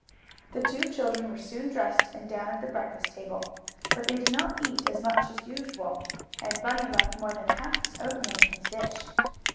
The two children were soon dressed, and down at the breakfast table. But they did not eat as much as usual, and Bunny left more than half his oatmeal in his dish.